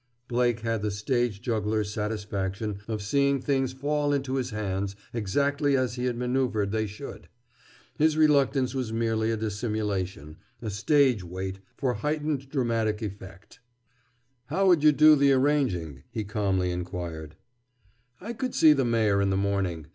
Blake had the stage juggler's satisfaction of seeing things fall into his hands exactly as he had manœuvered they should. His reluctance was merely a dissimulation, a stage wait for heightened dramatic effect. "How'd you do the arranging?" he calmly inquired. "I could see the Mayor in the morning.